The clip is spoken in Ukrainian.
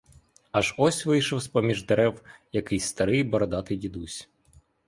Аж ось вийшов з поміж дерев якийсь старий бородатий дідусь.